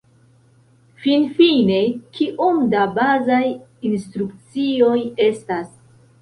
Finfine, kiom da bazaj instrukcioj estas?